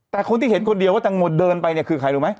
แต่คนที่เห็นคนเดียวว่าแตงโมเดินไปเนี่ยคือใครรู้ไหม